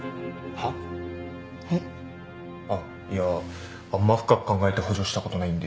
は？えっ？あっいやあんま深く考えて補助した事ないんで。